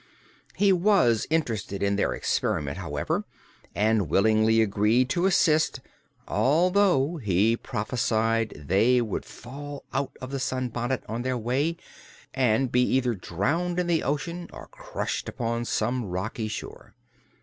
He was interested in their experiment, however, and willingly agreed to assist, although he prophesied they would fall out of the sunbonnet on their way and be either drowned in the ocean or crushed upon some rocky shore.